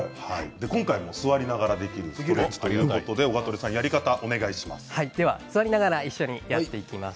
今回も座りながらできるストレッチということですのでオガトレさんやり方をお願いします。